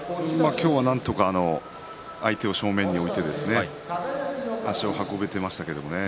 今日は相手を正面に置いて足を運べていましたけどね。